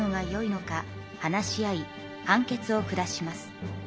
判決を下します。